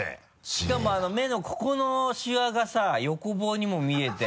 しかも目のここのシワがさ横棒にも見えて。